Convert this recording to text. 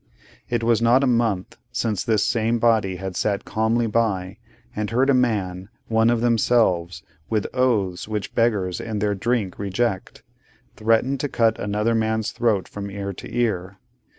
It was not a month, since this same body had sat calmly by, and heard a man, one of themselves, with oaths which beggars in their drink reject, threaten to cut another's throat from ear to ear.